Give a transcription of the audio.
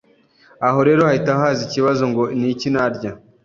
Aha rero hahita haza ikibazo ngo ni iki narya